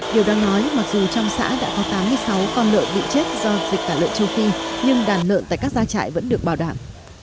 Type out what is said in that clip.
điều đang nói mặc dù trong xã đã có tám mươi sáu con lợn bị chết do dịch tả lợn châu phi nhưng đàn lợn tại các gia trại vẫn được bảo đảm